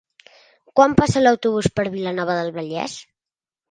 Quan passa l'autobús per Vilanova del Vallès?